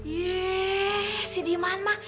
yee si diman ma